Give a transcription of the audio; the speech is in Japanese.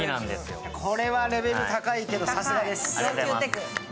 これはレベル高いけど、さすがです上級テク。